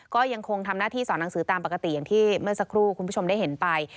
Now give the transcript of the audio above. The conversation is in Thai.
ก็ยังคงทำหน้าที่สอนหนังสือตามปกติอย่างที่เมื่อสักครู่คุณผู้ชมได้เห็นไป